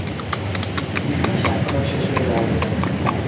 ইতিহাস এখনো শেষ হয়ে যায় নি।